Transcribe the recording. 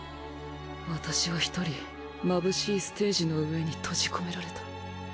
私は１人まぶしいステージの上に閉じ込められた。